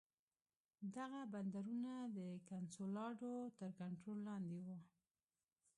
دغه بندرونه د کنسولاډو تر کنټرول لاندې وو.